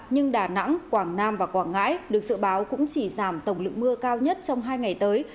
nhưng đà nẵng quảng nam và quảng ngãi được dự báo cũng chỉ giảm tổng lượng mưa cao nhất trong hai ngày tới